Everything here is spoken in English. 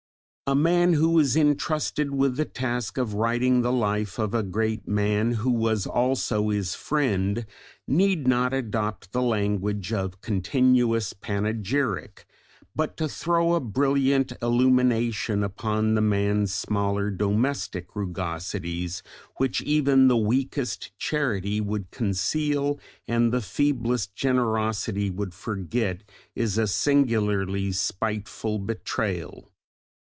A man who is entrusted with the task of writing the life of a great man who was also his friend need not adopt the language of continuous panegyric, but to throw a brilliant illumination upon the man's smaller domestic rugosities which even the weakest charity would conceal and the feeblest generosity would forget is a singularly spiteful betrayal.